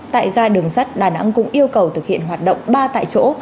tại ga đường sắt đà nẵng cũng yêu cầu thực hiện hoạt động ba tại chỗ